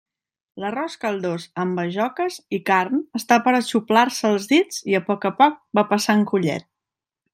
L'arròs caldós amb bajoques i carn està per a xuplar-se els dits i, a poc a poc, va passant collet.